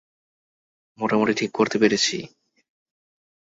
মোটামুটি ঠিক করতে পেরেছি।